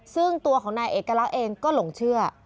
ซึ่งตัวของนายเอกลักษณ์เองก็หลงเชื่อ